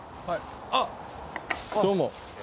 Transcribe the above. あっ、どうも。